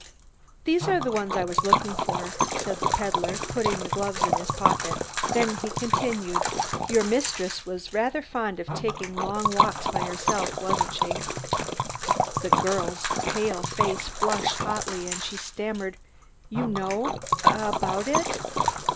"These are the ones I was looking for," said the peddler, putting the gloves in his pocket. Then he continued: "Your mistress was rather fond of taking long walks by herself, wasn't she?" The girl's pale face flushed hotly and she stammered: "You know about it?"